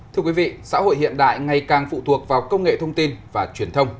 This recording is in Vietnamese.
thưa quý vị xã hội hiện đại ngày càng phụ thuộc vào công nghệ thông tin và truyền thông